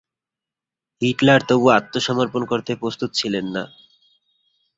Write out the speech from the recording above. Hitler তবু আত্মসমর্পণ করতে প্রস্তুত ছিলেন না।